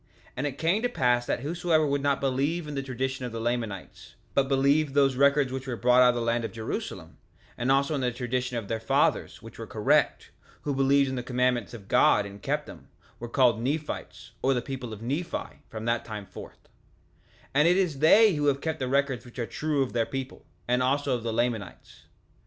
3:11 And it came to pass that whosoever would not believe in the tradition of the Lamanites, but believed those records which were brought out of the land of Jerusalem, and also in the tradition of their fathers, which were correct, who believed in the commandments of God and kept them, were called the Nephites, or the people of Nephi, from that time forth— 3:12 And it is they who have kept the records which are true of their people, and also of the people of the Lamanites.